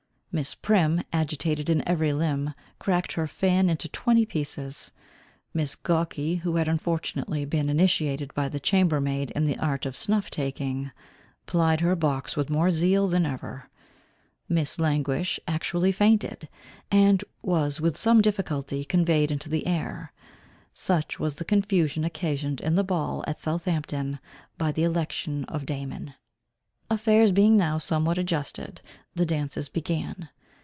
Miss Prim, agitated in every limb, cracked her fan into twenty pieces. Miss Gawky, who had unfortunately been initiated by the chamber maid in the art of snuff taking, plied her box with more zeal than ever. Miss Languish actually fainted, and was with some difficulty conveyed into the air. Such was the confusion occasioned in the ball at Southampton, by the election of Damon. Affairs being now somewhat adjusted, the dances began.